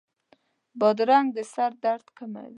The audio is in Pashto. بادرنګ د سر درد کموي.